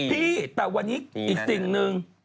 พี่แต่วันนี้อีกสิ่งหนึ่ง